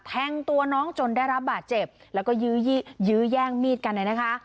แทงตัวน้องจนได้รับบาดเจ็บแล้วก็ยื้อยื้อแย่งมีดกันเนี่ยนะคะ